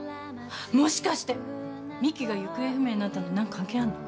もしかして美樹が行方不明になったの何か関係あんの？